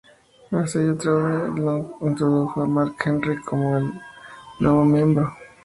Tras ello, Theodore Long introdujo a Mark Henry como el nuevo miembro.